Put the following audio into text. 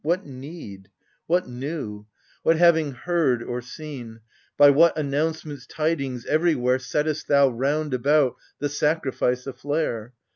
What need ? What new ? What having heard or seen, By what announcement's tidings, everywhere Settest thou, round about, the sacrifice a flare